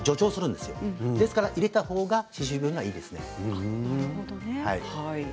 ですから入れたほうが歯周病にはいいですね。